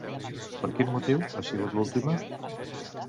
Per quin motiu ha sigut l'última?